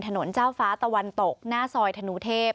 ถนนเจ้าฟ้าตะวันตกหน้าซอยธนูเทพ